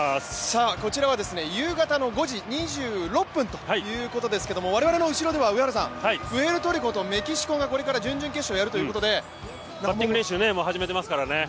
こちらは、夕方の５時２６分ということですが我々の後ろでは上原さん、プエルトリコとメキシコがこれから準々決勝やるということでバッティング練習、もう始めてますからね。